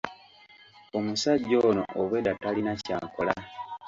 Omusajja ono obwedda talina ky'akola.